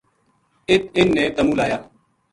اِت انھ نے تمُو لایا